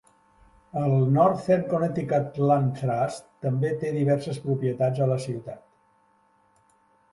El Northern Connecticut Land Trust també té diverses propietats a la ciutat.